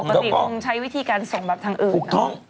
ปกติคงใช้วิธีการส่งแบบทางอื่น